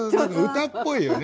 歌っぽいよね。